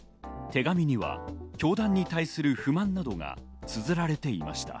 手紙には教団に対する不満などがつづられていました。